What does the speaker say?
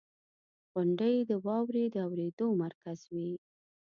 • غونډۍ د واورې د اورېدو مرکز وي.